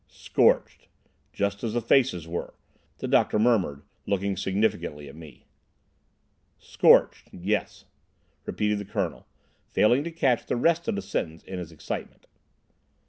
"Scorched—just as the faces were," the doctor murmured, looking significantly at me. "Scorched—yes," repeated the Colonel, failing to catch the rest of the sentence in his excitement.